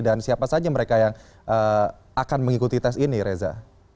dan siapa saja mereka yang akan mengikuti rapid test ini reza